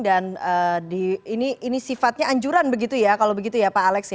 dan ini sifatnya anjuran begitu ya kalau begitu ya pak alex ya